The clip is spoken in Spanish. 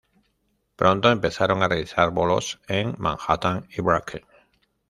Pronto empezaron a realizar bolos en Manhattan y Brooklyn.